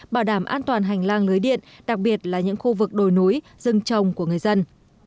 bảo đảm an toàn hành lang lưới điện đặc biệt là những khu vực đồi núi rừng trồng của người dân